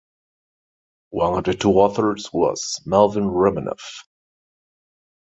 One of the two authors was Melvin Romanoff.